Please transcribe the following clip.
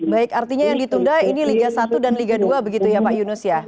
baik artinya yang ditunda ini liga satu dan liga dua begitu ya pak yunus ya